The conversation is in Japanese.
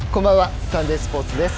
サンデースポーツです。